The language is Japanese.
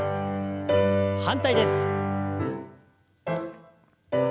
反対です。